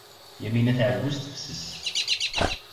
Yamina tɛeyyu s tefses.